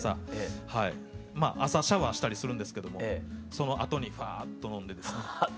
朝シャワーしたりするんですけどそのあとにファーっと飲んでますね。